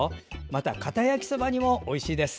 また、かた焼きそばにもおいしいです。